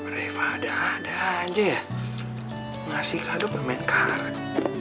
revada aja ngasih kadok main karat